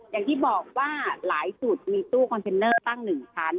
อย่างที่บอกว่าหลายจุดมีตู้คอนเทนเนอร์ตั้ง๑ชั้น